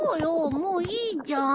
もういいじゃん。